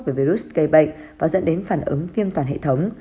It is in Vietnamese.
về virus gây bệnh và dẫn đến phản ứng viêm toàn hệ thống